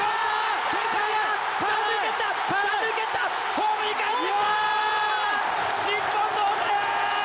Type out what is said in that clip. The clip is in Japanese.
ホームにかえってきた！